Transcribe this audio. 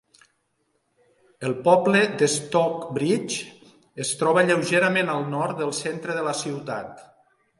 El poble de Stockbridge es troba lleugerament al nord del centre de la ciutat.